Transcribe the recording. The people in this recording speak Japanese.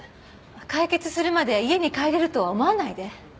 解決するまで家に帰れるとは思わないで。